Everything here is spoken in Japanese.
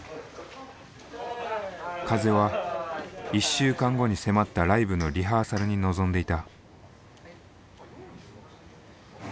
風は１週間後に迫ったライブのリハーサルに臨んでいた。